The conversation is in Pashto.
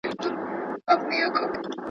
آیا موږ یو موټی یو؟